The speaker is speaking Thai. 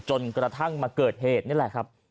จนกระทั่งมาเกิดเหตุนี่แหละครับ